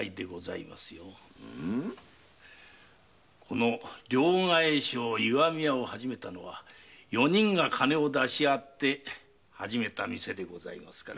この両替商石見屋を始めたのは四人が金を出しあって始めた店でございますから。